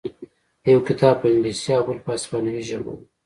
یو کتاب په انګلیسي او بل په هسپانوي ژبه و